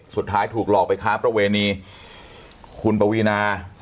สุดท้ายถูกหลอกไปค้าประเวณีคุณปวีนา